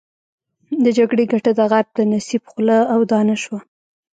د جګړې ګټه د غرب د نصیب خوله او دانه شوه.